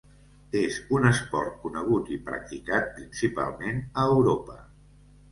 És un esport conegut i practicat principalment a Europa.